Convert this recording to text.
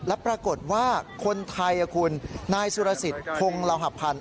และปรากฏว่าคนไทยคุณนายสุรสิทธิ์พงศ์ลาหพันธ์